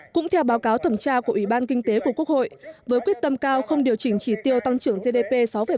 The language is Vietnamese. cũng theo báo cáo thẩm tra của ủy ban kinh tế của quốc hội với quyết tâm cao không điều chỉnh chỉ tiêu tăng trưởng gdp sáu bảy